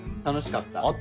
楽しかった。